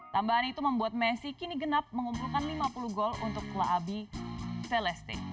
tambahan itu membuat messi kini genap mengumpulkan lima puluh gol untuk klub abi celeste